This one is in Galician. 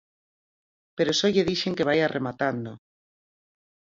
Pero só lle dixen que vaia rematando.